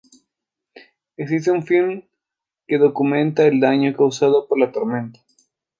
Existe un film que documenta el daño causado por la tormenta.